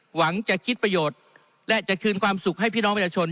หวังจะคิดประโยชน์และจะคืนความสุขให้พี่น้องประชาชน